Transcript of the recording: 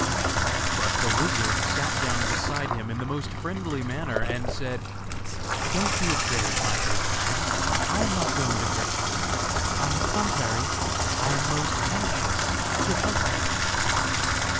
But the lizard sat down beside him in the most friendly manner, and said: 'Don't be afraid, my good man, I am not going to hurt you; on the contrary, I am most anxious to help you.